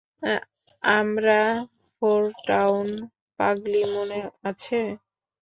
আমরা ফোরটাউন-পাগলী, মনে আছে?